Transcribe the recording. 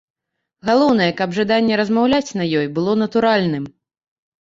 Галоўнае, каб жаданне размаўляць на ёй было натуральным.